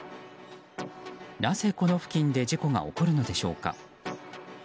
なぜ、この付近で事故が起こるのでしょうか。